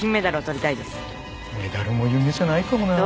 メダルも夢じゃないかもな。